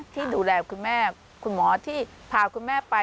ที่ดูแลคุณแม่คุณหมอที่พาคุณแม่ไป